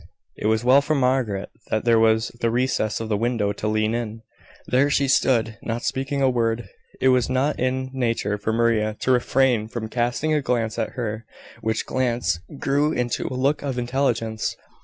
It was well for Margaret that there was the recess of the window to lean in. There she stood, not speaking a word. It was not in nature for Maria to refrain from casting a glance at her, which glance grew into a look of intelligence.